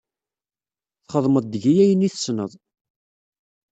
Txedmeḍ deg-i ayen i tessneḍ.